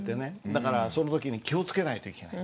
だからその時に気を付けないといけない。